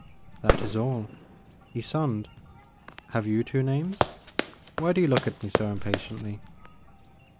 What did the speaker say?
" That is all, Ysonde. Have you two names ? Why do you look at me so impatiently